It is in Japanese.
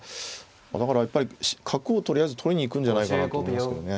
だからやっぱり角をとりあえず取りに行くんじゃないかなと思いますけどね。